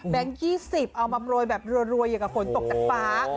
๒๐เอามาโปรยแบบรวยอย่างกับฝนตกจากฟ้า